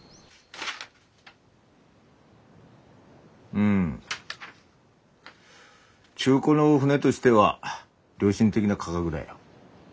うん中古の船としては良心的な価格だよ。